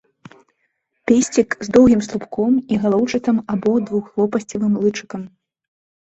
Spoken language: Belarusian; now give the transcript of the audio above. Песцік з доўгім слупком і галоўчатым або двухлопасцевым лычыкам.